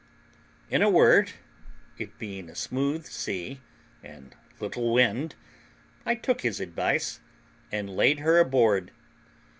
In a word, it being a smooth sea, and little wind, I took his advice, and laid her aboard.